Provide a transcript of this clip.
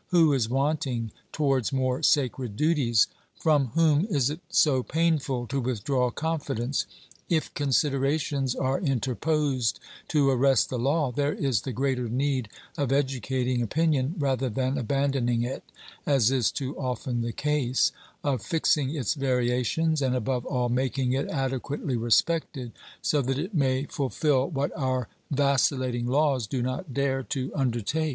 Who is wanting towards more sacred duties? From whom is it so painful to withdraw confidence? If considerations are interposed to arrest the law, there is the greater need of educating opinion rather than abandoning it, as is too often the case ; of fixing its variations, and above all making it adequately respected, so that it may fulfil what our vacillating laws do not dare to undertake.